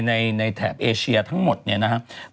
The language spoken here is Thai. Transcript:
แถบเอเชียทั้งหมดเนี่ยนะครับ